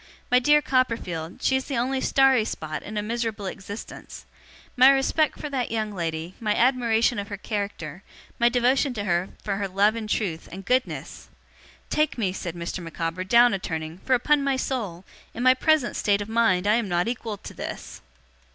My dear Copperfield, she is the only starry spot in a miserable existence. My respect for that young lady, my admiration of her character, my devotion to her for her love and truth, and goodness! Take me,' said Mr. Micawber, 'down a turning, for, upon my soul, in my present state of mind I am not equal to this!